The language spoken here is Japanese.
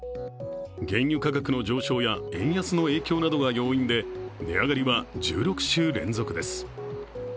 原油価格の上昇や円安の影響などが要因で値上がりは１６週連続です。